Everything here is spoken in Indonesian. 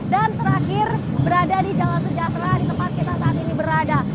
dan terakhir berada di jalan sejahtera di tempat kita saat ini berada